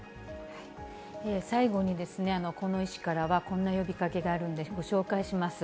最後に、この医師からは、こんな呼びかけがあるんで、ご紹介します。